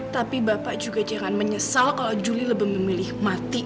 tapi bapak juga jangan menyesal kalau juli lebih memilih mati